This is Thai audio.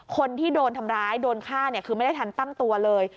คนที่โดนทำร้ายโดนฆ่าเนี่ยคือไม่ได้ทันตั้งตัวเลย